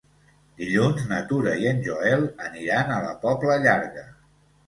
Dilluns na Tura i en Joel aniran a la Pobla Llarga.